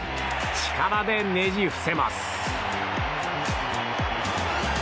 力でねじ伏せます。